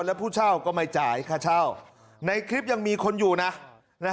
แล้วผู้เช่าก็ไม่จ่ายค่าเช่าในคลิปยังมีคนอยู่นะ